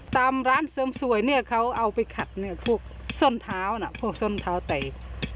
ตามร้านเสริมสวยเนี่ยเขาเอาไปขัดเนี่ยพวกส้นเท้านะพวกส้นเท้าไต